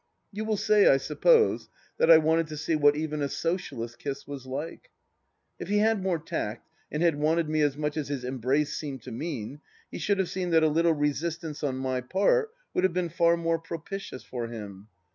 .. You will say, I suppose, that I wanted to see what even a Socialist's kiss was like ? If he had more tact and had wanted me as much as his embrace seemed to mean, he should have seen that a little resistance on my part would have been far more propitious for him.